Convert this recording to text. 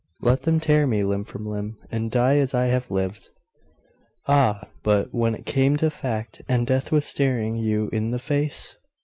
'Let them tear me limb from limb, and die as I have lived.' 'Ah, but When it came to fact, and death was staring you in the face?